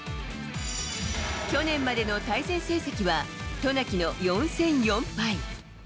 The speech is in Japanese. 去年までの対戦成績は渡名喜の４戦４敗。